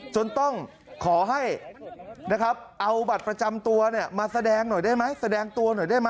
จนต้องขอให้เอาบัตรประจำตัวมาแสดงหน่อยได้ไหม